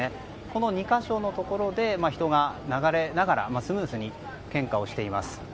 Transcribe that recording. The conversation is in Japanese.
この２か所のところで人が流れながらスムーズに献花をしています。